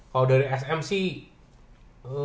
kalau dari sm sih